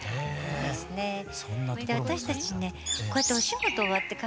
私たちねこうやってお仕事終わって帰ると。